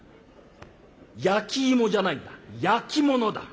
「焼き芋じゃないんだ焼き物だ。